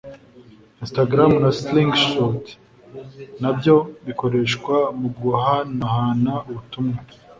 Instagram na Slingshot na byo bikoreshwa mu guhanahana ubutumwa